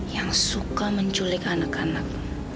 yang suka menculik anak anak